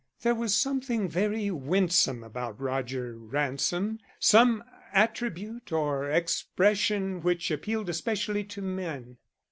There was something very winsome about Roger Ransom; some attribute or expression which appealed especially to men.